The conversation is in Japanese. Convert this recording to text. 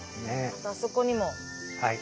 あそこにも。